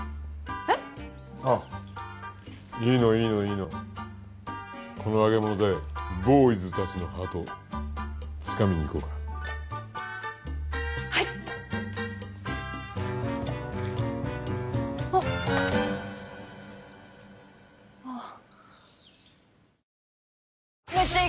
えっ？あっいいのいいのいいのこの揚げ物でボーイズたちのハートつかみにいこうかはいっあっああ